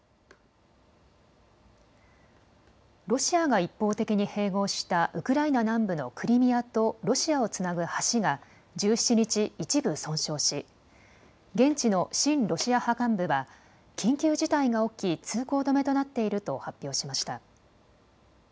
ロシアが一方的に併合したウクライナ南部のクリミアとロシアをつなぐ橋が１７日、一部損傷し現地の親ロシア派幹部は緊急事態が起き通行止めとなっていると発表しました。